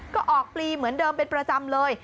ก็ออกปลีเหมือนเดิมเป็นประจำเลย